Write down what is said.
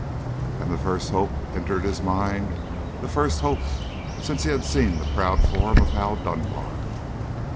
And the first hope entered his mind, the first hope since he had seen the proud form of Hal Dunbar.